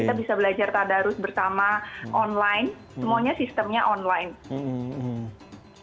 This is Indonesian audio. kita bisa belajar tadarus bersama online semuanya sistemnya online